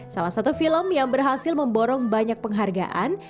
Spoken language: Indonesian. salah satu film yang berhasil memborong banyak penghargaan